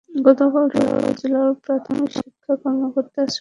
গতকাল রোববার জেলা প্রাথমিক শিক্ষা কর্মকর্তা সৈয়দা মাহফুজা বেগম বিষয়টি নিশ্চিত করেন।